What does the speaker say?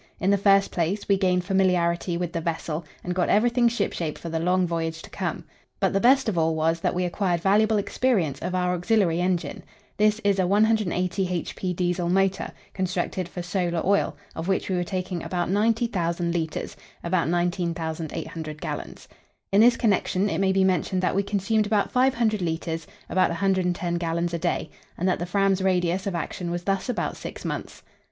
In the first place, we gained familiarity with the vessel, and got everything shipshape for the long voyage to come; but the best of all was, that we acquired valuable experience of our auxiliary engine. This is a 180 h.p. Diesel motor, constructed for solar oil, of which we were taking about 90,000 litres (about 19,800 gallons). In this connection it may be mentioned that we consumed about 500 litres (about 110 gallons) a day, and that the Fram's radius of action was thus about six months.